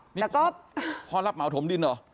นี่พ่อรับเหมาถมดินเหรอ